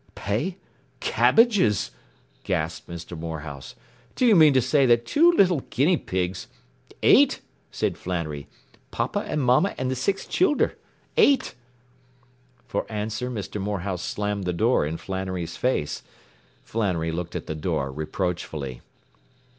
” “Pay Cabbages !” gasped Mr. Morehouse. “Do you mean to say that two little guinea pigs ” “Eight!” said Flannery. “Papa an' mamma an' the six childer. Eight!” For answer Mr. Morehouse slammed the door in Flannery's face. Flannery looked at the door reproachfully.